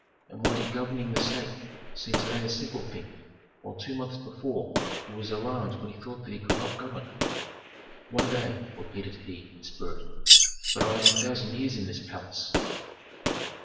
And why did governing the state seem to day a simple thing, while two months before he was alarmed when he thought that he could not govern. "One day?" repeated he, in spirit. "But I am a thousand years in this palace!"